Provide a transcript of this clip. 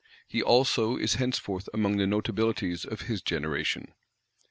He also is henceforth among the notabilities of his generation.